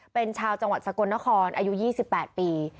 เป็นชาวจังหวัดสกลนครอายุ๒๘ปี